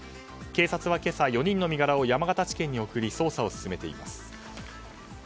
警察は今朝４人の身柄を山形地検に送り捜査を進めています。